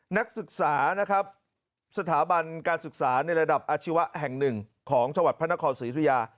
นักศึกษานะครับสถาบันการศึกษาในระดับอาชีวะแห่งหนึ่งของจังหวัดพระนครศรีธุยา